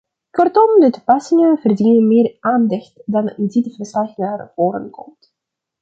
Kortom, de toepassingen verdienen meer aandacht dan in dit verslag naar voren komt.